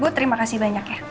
bu terima kasih banyak ya